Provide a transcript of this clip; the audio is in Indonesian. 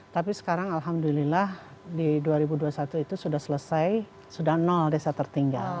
tapi sekarang alhamdulillah di dua ribu dua puluh satu itu sudah selesai sudah desa tertinggal